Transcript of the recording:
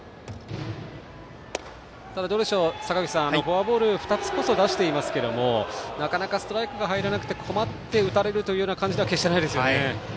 ただ坂口さん、フォアボール２つこそ出していますけれどもなかなかストライクが入らなくて困って打たれるという感じでは決してないですね。